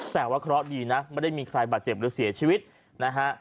แต่ว่าเคราะห์ดีนะไม่ได้มีใครบาดเจ็บหรือเสียชีวิตนะฮะ